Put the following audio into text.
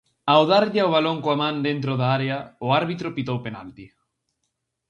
Ao darlle ao balón coa man dentro da área, o árbitro pitou penalti.